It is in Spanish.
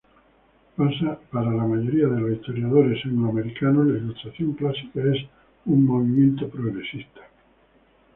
Para la mayoría de los historiadores anglo-americanos, la Ilustración clásica es un movimiento progresista.